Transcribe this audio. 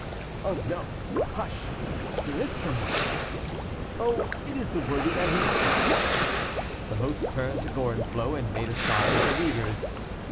"Oh, no! But hush! here is some one." "Oh, it is the worthy man himself!" The host turned to Gorenflot, and made a sign of the leaguers.